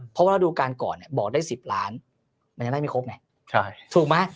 เพราะว่ารูปการณ์ก่อนบอกได้๑๐ล้านมันยังได้ไม่ครบไหมถูกไหม